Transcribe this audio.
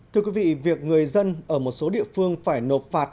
thưa quý vị việc người dân ở một số địa phương phải nộp phạt